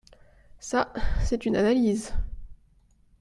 Ça, c’est une analyse